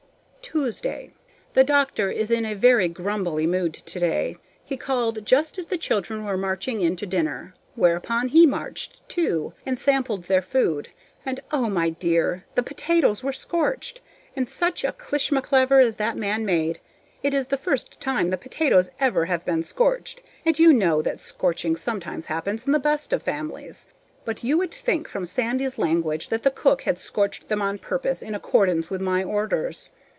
Tuesday. The doctor is in a very grumbly mood today. He called just as the children were marching in to dinner, whereupon he marched, too, and sampled their food, and, oh, my dear! the potatoes were scorched! And such a clishmaclaver as that man made! It is the first time the potatoes ever have been scorched, and you know that scorching sometimes happens in the best of families. But you would think from Sandy's language that the cook had scorched them on purpose, in accordance with my orders.